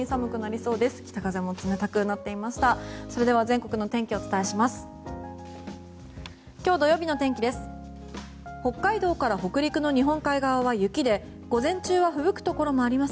それでは全国の天気をお伝えします。